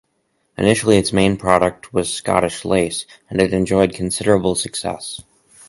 Initially its main product was Scottish lace and it enjoyed considerable success.